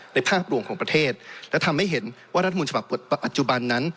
ภาพรวมของประเทศและทำให้เห็นว่ารัฐมนต์ฉบับปัจจุบันนั้น